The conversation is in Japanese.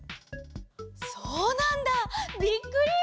そうなんだ！びっくり！